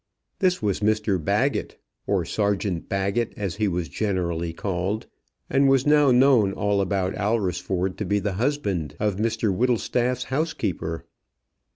This was Mr Baggett, or Sergeant Baggett as he was generally called, and was now known about all Alresford to be the husband of Mr Whittlestaff's housekeeper.